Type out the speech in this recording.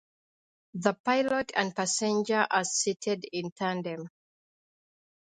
The pilot and passenger are seated in tandem.